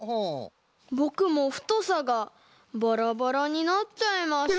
ぼくもふとさがバラバラになっちゃいました。